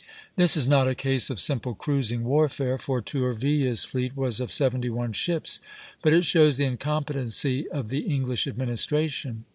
This is not a case of simple cruising warfare, for Tourville's fleet was of seventy one ships; but it shows the incompetency of the English administration.